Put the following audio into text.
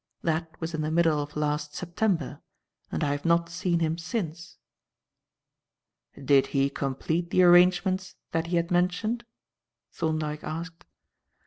That was in the middle of last September, and I have not seen him since." "Did he complete the arrangements that he had mentioned?" Thorndyke asked.